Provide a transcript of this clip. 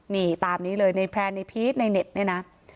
นี่ตามนี้เลยในแพลนในพีชในเน็ตเนี่ยนะ